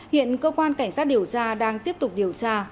hiện cơ quan cảnh sát điều tra đang tiếp tục điều tra mở rộng vụ án